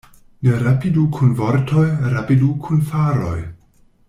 Ne rapidu kun vortoj, rapidu kun faroj.